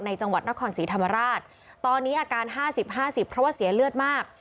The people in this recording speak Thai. จังหวัดนครศรีธรรมราชตอนนี้อาการ๕๐๕๐เพราะว่าเสียเลือดมาก